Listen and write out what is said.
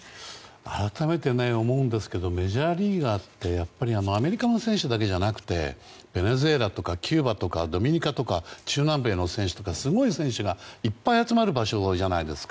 改めて思うんですがメジャーリーガーってアメリカの選手だけじゃなくてベネズエラとかキューバとかドミニカとか中南米の選手とかすごい選手がいっぱい集まる場所じゃないですか。